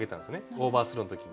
オーバースローの時に。